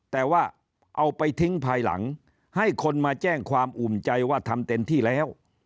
แต่ว่าเอาไปทิ้งภายหลังให้คนมาแจ้งความอุ่นใจว่าทำเต็มที่แล้ว